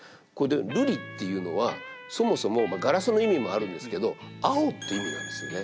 「瑠璃」っていうのはそもそもガラスの意味もあるんですけど青っていう意味なんですよね。